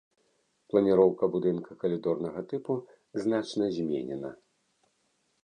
Планіроўка будынка калідорнага тыпу значна зменена.